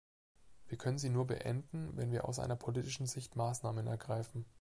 Wir können sie nur beenden, wenn wir aus einer politischen Sicht Maßnahmen ergreifen.